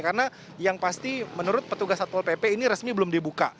karena yang pasti menurut petugas satpol pp ini resmi belum dibuka